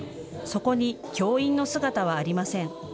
そこに教員の姿はありません。